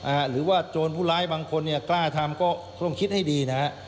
หรือว่าโจรผู้ร้ายบางคนเนี่ยกล้าทำก็ต้องคิดให้ดีนะฮะ